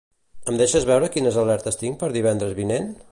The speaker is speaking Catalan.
Em deixes veure quines alertes tinc per divendres vinent?